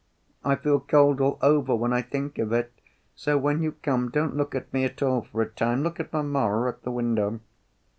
I feel cold all over when I think of it, so when you come, don't look at me at all for a time, look at mamma or at the window....